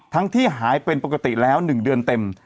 ที่หายเป็นปกติแล้ว๑เดือนเต็ม